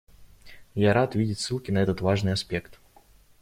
Я рад видеть ссылки на этот важный аспект.